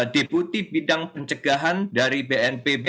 deputi bidang pencegahan dari bnpb